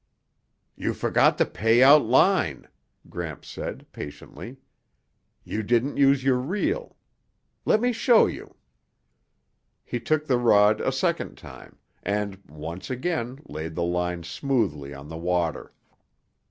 "You forgot to pay out line," Gramps said patiently. "You didn't use your reel. Let me show you." He took the rod a second time, and once again laid the line smoothly on the water.